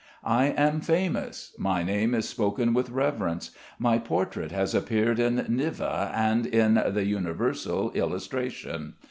I am famous, my name is spoken with reverence. My portrait has appeared in "Niva" and in "The Universal Illustration."